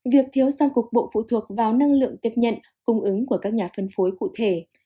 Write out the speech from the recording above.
việc thiếu xăng cục bộ phụ thuộc vào năng lượng tiếp nhận cung ứng của các nhà phân phối cụ thể